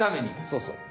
そうそう。